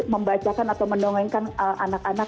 membacakan atau mendongengkan anak anak